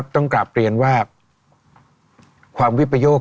ต้องกลับเปลี่ยนว่าความวิบโปยก